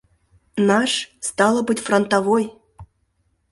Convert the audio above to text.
— Наш, стало быть, фронтовой!..